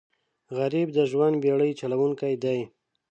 غریب د ژوند بېړۍ چلوونکی دی